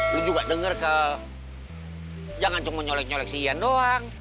lu juga denger ke jangan cuma nyelek nyelek si yan doang